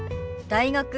「大学」。